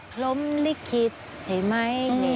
พรมลิขิตใช่ไหม